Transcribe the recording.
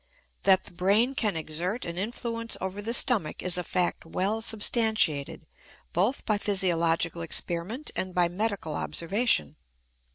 That the brain can exert an influence over the stomach is a fact well substantiated both by physiological experiment and by medical observation.